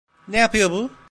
Ne yapıyor bu?